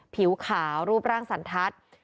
ผิวขาวรูปร่างสันทัศน์